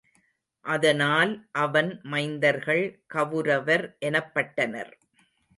அதனால் அவன் மைந்தர்கள் கவுரவர் எனப்பட்டனர்.